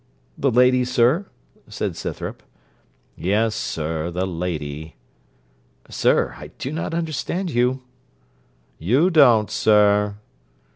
'The lady, sir?' said Scythrop. 'Yes, sir, the lady.' 'Sir, I do not understand you.' 'You don't, sir?'